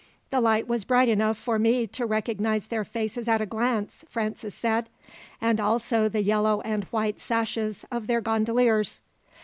"The light was bright enough for me to recognize their faces at a glance," Francis said, "and also the yellow and white sashes of their gondoliers."